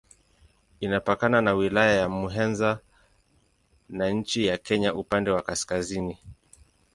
Inapakana na Wilaya ya Muheza na nchi ya Kenya upande wa kaskazini.